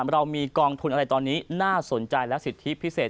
เรามีกองทุนอะไรตอนนี้น่าสนใจและสิทธิพิเศษ